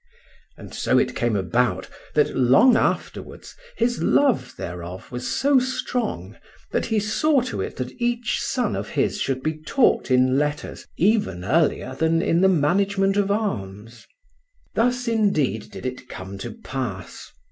And so it came about that long afterwards his love thereof was so strong that he saw to it that each son of his should be taught in letters even earlier than in the management of arms. Thus indeed did it come to pass.